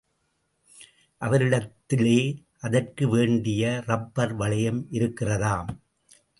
அவரிடத்திலே அதற்கு வேண்டிய ரப்பர் வளையம் இருக்கிறதாம்.